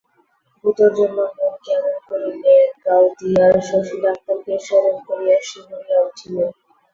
ভুতোর জন্য মন কেমন করিলে গাওদিয়ার শশী ডাক্তারকে স্মরণ করিয়া শিহরিয়া উঠিবে।